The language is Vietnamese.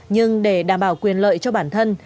nhưng để đảm bảo quyền lợi cho bản thân